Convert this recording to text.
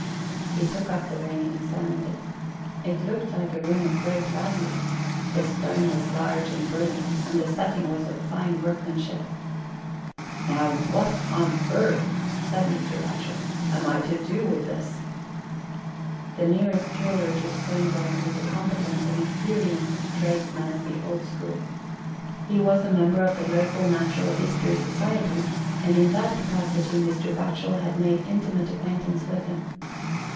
He took up the ring and examined it. It looked like a ring of great value ; the stone was large and brilliant, and the setting was of fine workmanship. " Now what on earth," said Mr. Batchel, " am I to do with this ?" The nearest jeweller to Stoneground was a competent and experienced tradesman of the old school. He was a member of the local 97 anOST TALES. Natural History Society, and in that capacity Mr. Batchel had made intimate acquaintance with him.